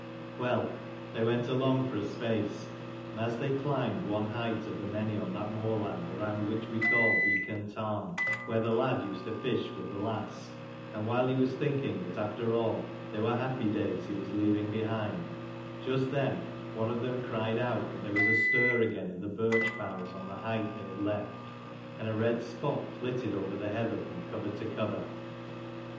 Well, they went along for a space : and as they climbed one height of the many on that moorland around what we call Beacon tarn, where the lad used to fish with the lass : and while he was thinking that after all they were happy days he was leaving behind: just then, one of them cried out that there was a stir again in the birch boughs on the height they had left : and a red spot flitted over the heather from cover to cover.